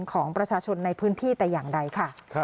ของประชาชนในพื้นที่แต่อย่างใดค่ะ